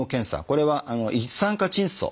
これは一酸化窒素。